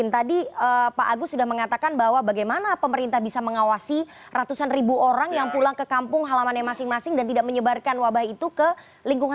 tadi pak agus sudah mengatakan bahwa bagaimana pemerintah bisa mengawasi ratusan ribu orang yang pulang ke kampung halamannya masing masing dan tidak menyebarkan wabah itu ke lingkungan